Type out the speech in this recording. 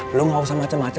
lo gak usah macem macem